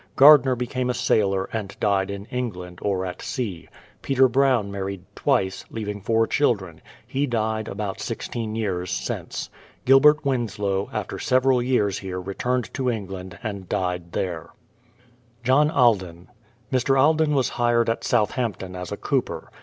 Gardner became a sailor, and died in England, or at sea. Peter Brown married twice, leaving four children ; he died about sixteen years since. Gilbert Winslow, after several years here returned to England and died there. JOHN ALDEN. Mr. Alden was hired at Southampton as a cooper.